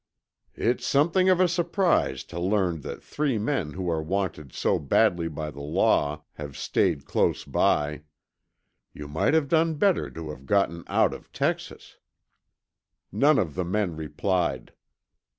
"It's something of a surprise to learn that three men who are wanted so badly by the law have stayed close by. You might have done better to have gotten out of Texas." None of the men replied.